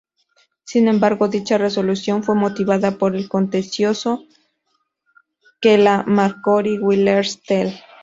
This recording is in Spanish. Sin embargo, dicha resolución fue motivada por el contencioso que la Marconi Wireless Tel.